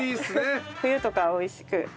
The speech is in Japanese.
冬とか美味しく。